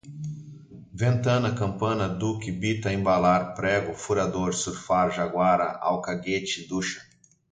ventana, campana, duque, bita, embalar, prego, furador, surfar, jaguara, alcaguete, ducha